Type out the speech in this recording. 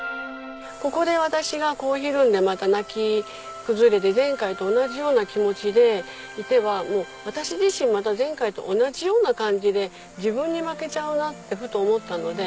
ここで私がひるんでまた泣き崩れて前回と同じような気持ちでいては私自身また前回と同じような感じで自分に負けちゃうなってふと思ったので。